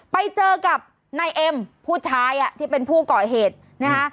ไปเจอกับนายเอ็มผู้ชายที่เป็นผู้ก่อเหตุนะคะ